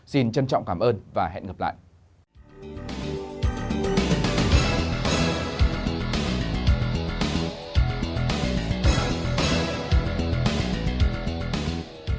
xin trân trọng cảm ơn và hẹn gặp lại